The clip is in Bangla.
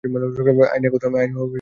আইন একথা বলে না।